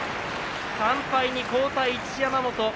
３敗に後退、一山本。